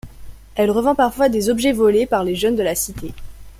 Elle revend parfois des objets volés par les jeunes de la cité.